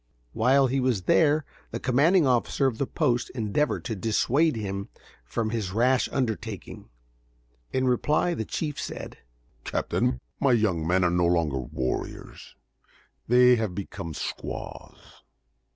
While he was there the commanding officer of the post endeavored to dissuade him from his rash undertaking. In reply the chief said: "Captain, my young men are no longer warriors. They have become squaws.